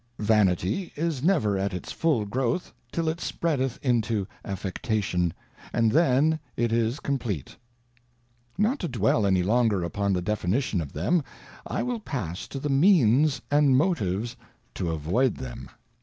Vanity is never at its full growth till it spreadeth into Affectation, and then it is compleat. Not to dwell any longer upon the definition of them, I will pass to the means and motives to avoid them.